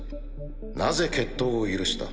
なぜ決闘を許した？